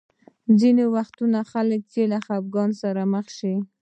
ځینې وختونه خلک چې له خفګان سره مخ شي.